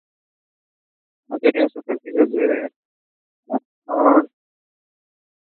El tendido superficial y la captación descubierta origina la contaminación del agua.